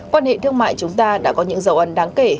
quan hệ thương mại chúng ta đã có những dầu ăn đáng kể